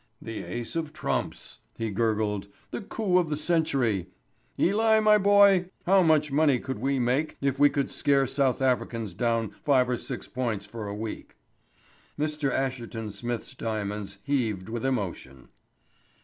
"The ace of trumps," he gurgled; "the coup of the century. Eli, my boy, how much money could we make if we could scare South Africans down five or six points for a week?" Mr. Asherton Smith's diamonds heaved with emotion.